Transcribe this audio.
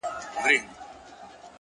وخت د سمو خلکو ارزښت ښيي،